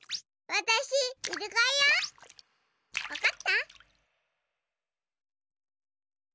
わかった？